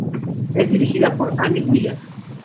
Es dirigida por Anne Wheeler.